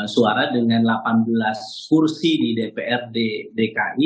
suara dengan delapan belas kursi di dprd dki